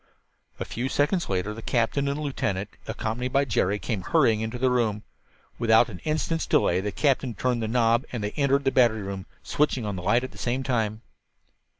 A few seconds later the captain and lieutenant, accompanied by Jerry, came hurrying into the room. Without an instant's delay the captain turned the knob and they entered the battery room, switching on the light at the same time.